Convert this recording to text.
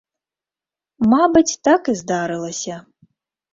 Мабыць, так і здарылася.